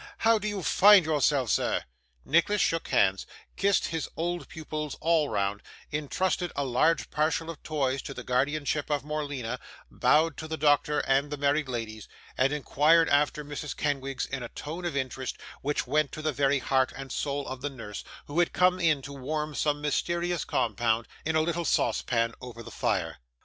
How do you find yourself, sir?' Nicholas shook hands, kissed his old pupils all round, intrusted a large parcel of toys to the guardianship of Morleena, bowed to the doctor and the married ladies, and inquired after Mrs. Kenwigs in a tone of interest, which went to the very heart and soul of the nurse, who had come in to warm some mysterious compound, in a little saucepan over the fire.